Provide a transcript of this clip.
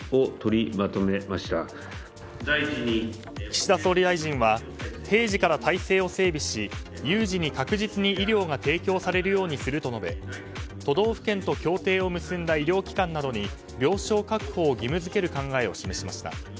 岸田総理大臣は平時から体制を整備し有事に確実に医療が提供されるようにすると述べ都道府県と協定を結んだ医療機関などに病床確保を義務付ける考えを示しました。